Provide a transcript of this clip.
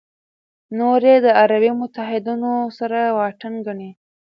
نور یې د عربي متحدینو سره واټن ګڼي.